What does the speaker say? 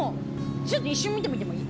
ちょっと一瞬見てみてもいい？